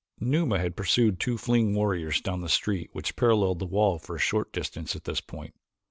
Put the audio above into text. Numa had pursued two fleeing warriors down the street which paralleled the wall for a short distance at this point.